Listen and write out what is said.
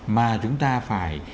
mà chúng ta phải